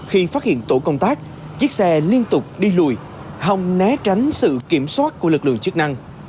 khi phát hiện tổ công tác chiếc xe liên tục đi lùi hòng né tránh sự kiểm soát của lực lượng chức năng